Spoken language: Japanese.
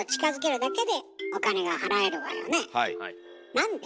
なんで？